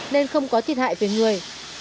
nên không có thiệt hại về người